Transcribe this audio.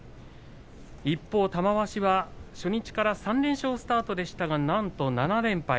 一方、玉鷲は初日から３連勝スタートでしたがなんと７連敗。